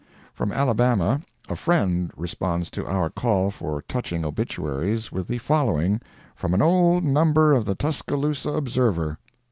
'"From Alabama "A Friend" responds to our call for touching obituaries, with the following "from an old number of the 'Tuscaloosa Observer.'"